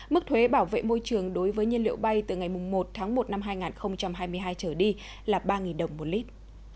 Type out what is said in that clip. mức thuế bảo vệ môi trường đối với nhiên liệu bay từ ngày một tháng một năm hai nghìn hai mươi hai trở đi là ba đồng một lít